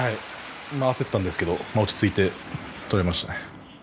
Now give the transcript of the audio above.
焦ったんですけど落ち着いて取れましたね。